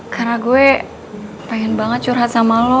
karena gue pengen banget curhat sama lo